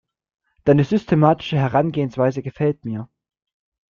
Deine systematische Herangehensweise gefällt mir.